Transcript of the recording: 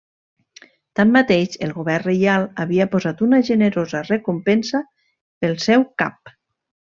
Tanmateix, el govern reial havia posat una generosa recompensa pel seu cap.